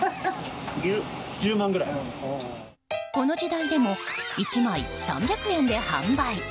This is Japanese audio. この時代でも１枚３００円で販売。